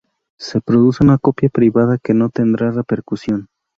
Se produce una copia privada que no tendrá repercusión.